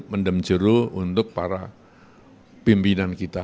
mendem jeru untuk para pimpinan kita